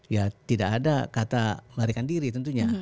ya tidak ada kata melarikan diri tentunya